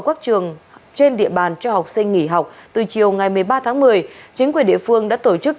các trường trên địa bàn cho học sinh nghỉ học từ chiều ngày một mươi ba tháng một mươi chính quyền địa phương đã tổ chức